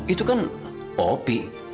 itu kan op